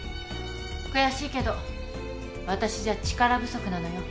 悔しいけど私じゃ力不足なのよ。